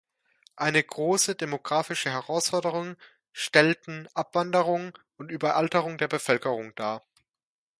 Eine große demographische Herausforderung stellten Abwanderung und Überalterung der Bevölkerung dar.